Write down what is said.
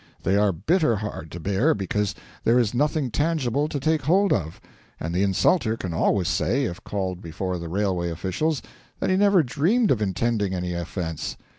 They are bitter hard to bear because there is nothing tangible to take hold of; and the insulter can always say, if called before the railway officials, that he never dreamed of intending any offence.